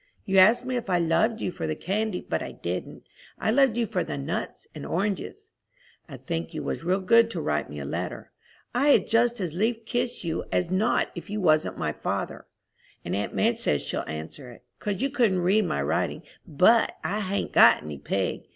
You asked me if I loved you for the candy, but I didn't; I loved you for the nuts and oranges. I think you was real good to write me a letter. I had just as lief kiss you as not if you wasn't my father; and aunt Madge says she'll answer it, 'cause you couldn't read my writing; but I hain't got any pig!